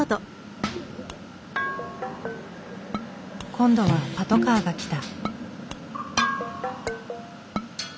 今度はパトカーが来た。